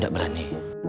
udah berapa ini